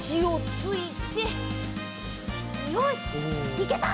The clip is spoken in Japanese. いけた！